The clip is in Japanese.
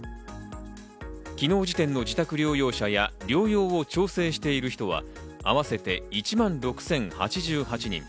昨日時点の自宅療養者や療養を調整している人は合わせて１万６０８８人。